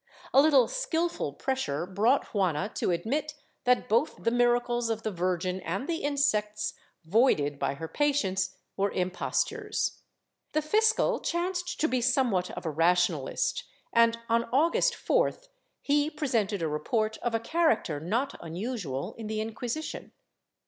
A little skilful pressure brought Juana to admit that both the miracles of the Virgin and the insects voided by her patients were impostures. The fiscal chanced to be somewhat of a rationalist and, on August 4th he presented a report of a character not usual in the Inquisition.